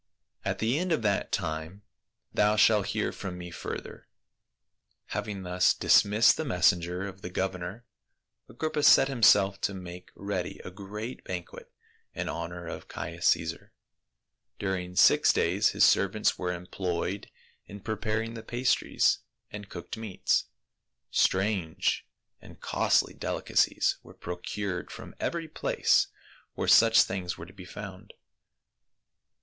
At the end of that time thou shalt hear from me further." Having thus dismissed the messenger of the gov ernor, Agrippa set himself to make ready a great ban quet in honor of Caius Caesar. During six days his servants were employed in preparing the pastries and cooked meats. Strange and costly delicacies were procured from every place where such things were to be found.